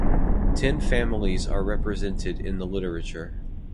Ten families are represented in the literature.